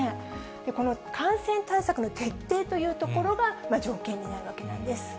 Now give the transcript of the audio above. この感染対策の徹底というところが条件になるわけなんです。